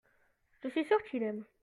je suis sûr qu'il aime.